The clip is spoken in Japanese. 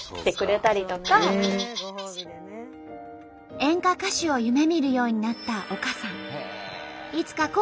演歌歌手を夢みるようになった丘さん。